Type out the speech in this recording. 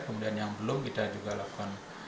kemudian yang belum kita juga lakukan